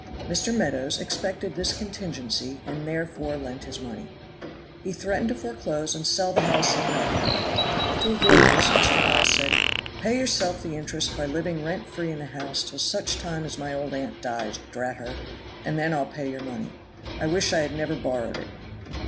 Mr. Meadows expected this contingency, and therefore lent his money. He threatened to foreclose and sell the house under the hammer; to avoid this Mr. Hall said, "Pay yourself the interest by living rent free in the house till such time as my old aunt dies, drat her, and then I'll pay your money. I wish I had never borrowed it."